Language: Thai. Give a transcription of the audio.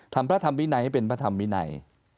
พระธรรมวินัยให้เป็นพระธรรมวินัย